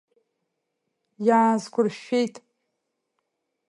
Иаазқәыршәшәеит.